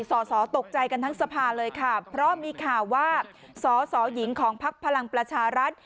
สอสอตกใจกันทั้งสภาเลยค่ะเพราะมีข่าวว่าสสหญิงของพักพลังประชารัฐ